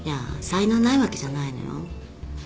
才能ないわけじゃないのよ。